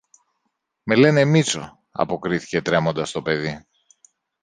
Με λένε Μήτσο, αποκρίθηκε τρέμοντας το παιδί